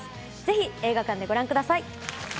ぜひ映画館でご覧ください。